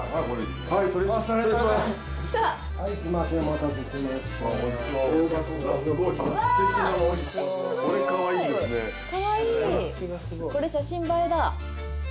これ写真映えだ。